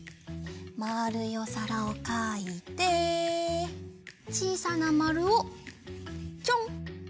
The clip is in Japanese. まるいおさらをかいてちいさなまるをちょん！